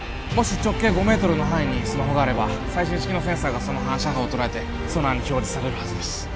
もし直径５メートルの範囲にスマホがあれば最新式のセンサーがその反射波を捉えてソナーに表示されるはずです